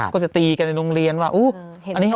ก็จะตีกันในโรงเรียนว่าอุ๊ยอันนี้เออ